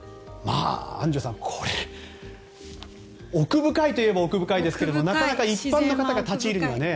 アンジュさん、これ奥深いといえば奥深いですがなかなか一般の方が立ち入るにはね。